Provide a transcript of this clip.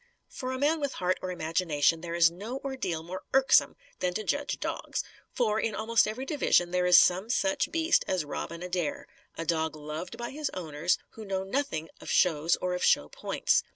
For a man with heart or imagination, there is no ordeal more irksome than to judge dogs. For, in almost every division, there is some such beast as Robin Adair; a dog loved by his owners, who know nothing of shows or of show points.